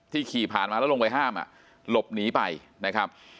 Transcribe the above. ขี่ผ่านมาแล้วลงไปห้ามหลบหนีไปนะครับ